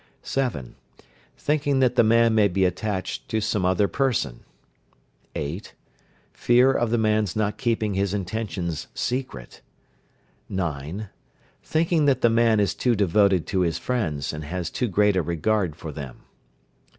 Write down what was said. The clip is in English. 7. Thinking that the man may be attached to some other person. 8. Fear of the man's not keeping his intentions secret. 9. Thinking that the man is too devoted to his friends, and has too great a regard for them.